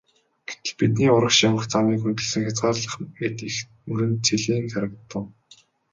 Гэтэл бидний урагш явах замыг хөндөлсөн хязгаарлах мэт их мөрөн цэлийн харагдав.